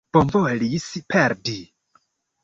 Bonvolis perdi.